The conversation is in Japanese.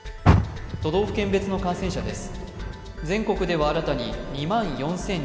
都道府県別の感染者です。